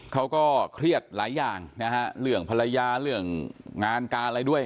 เขาก็เครียดหลายอย่างนะฮะเรื่องภรรยาเรื่องงานการอะไรด้วย